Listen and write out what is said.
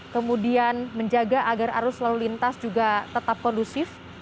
kemudian menjaga agar arus lalu lintas juga tetap kondusif